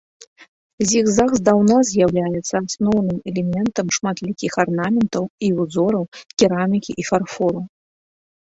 Зігзаг здаўна з'яўляецца асноўным элементам шматлікіх арнаментаў і ўзораў керамікі і фарфору.